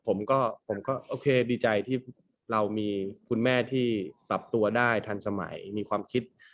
ผมก็ผมก็โอเคดีใจที่เรามีคุณแม่ที่ปรับตัวได้ทันสมัยมีความคิด